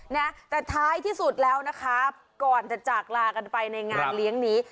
นะแต่ท้ายที่สุดแล้วนะคะก่อนจะจากลากันไปในงานเลี้ยงนี้